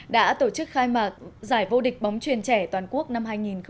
đã tổ chức khai mạc giải vô địch bóng truyền trẻ toàn quốc năm hai nghìn một mươi bảy